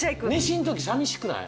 飯んときさみしくない？